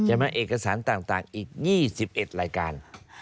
ใช่ไหมเอกสารต่างอีก๒๑รายการ